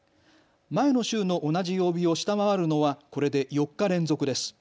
前の週の同じ曜日を下回るのはこれで４日連続です。